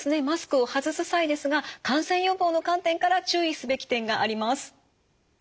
マスクを外す際ですが感染予防の観点から注意すべき点があります。